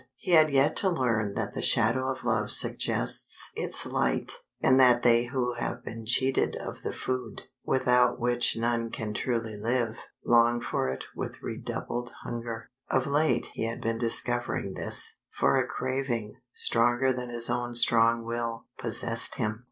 He had yet to learn that the shadow of love suggests its light, and that they who have been cheated of the food, without which none can truly live, long for it with redoubled hunger. Of late he had been discovering this, for a craving, stronger than his own strong will, possessed him.